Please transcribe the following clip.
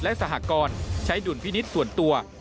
และสหกรณ์ใช้ดุลพินิษฐ์ส่วนตัว